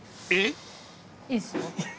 ［えっ？］いいですよ。